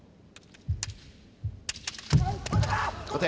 小手！